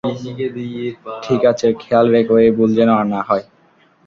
ঠিক আছে, খেয়াল রেখো এই ভুল যেন আর না হয়।